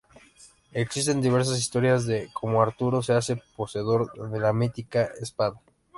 Existen diversas historias de cómo Arturo se hace poseedor de la mítica espada.